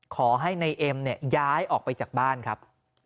ขอให้นายเอ็มเนี่ยย้ายออกไปจากบ้านครับ